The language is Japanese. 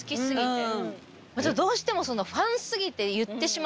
どうしても。